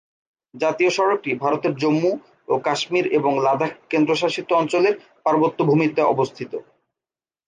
জাতীয় সড়কটি ভারতের জম্মু ও কাশ্মীর এবং লাদাখ কেন্দ্রশাসিত অঞ্চলের পার্বত্য ভূমিতে অবস্থিত।